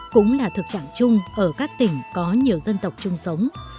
cũng là thực trạng chung ở các tỉnh có nhiều dân tộc chung sống